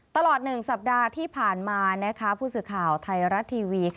ตลอด๑สัปดาห์ที่ผ่านมาผู้สื่อข่าวไทยรัฐทีวี